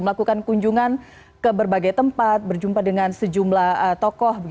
melakukan kunjungan ke berbagai tempat berjumpa dengan sejumlah tokoh